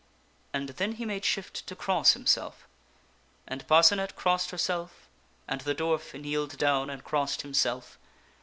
and then he made shift to cross himself. And Parcenet crossed herself and the dwarf kneeled down and crossed himself.